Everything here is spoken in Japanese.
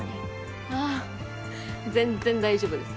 ああ全然大丈夫です。